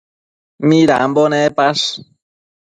Midambo nepash?